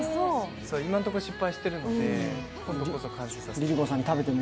今のところ失敗しているので、今度こそ完成させて。